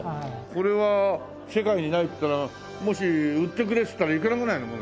これは世界にないっつったらもし売ってくれっつったらいくらぐらいのものですか？